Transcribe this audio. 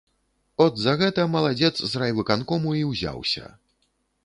От за гэта маладзец з райвыканкому і ўзяўся.